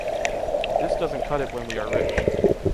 This doesn’t cut it when we are rich.